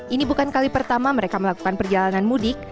ini bukan kali pertama mereka melakukan perjalanan mudik